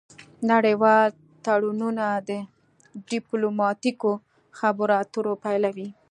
نړیوال تړونونه د ډیپلوماتیکو خبرو اترو پایله وي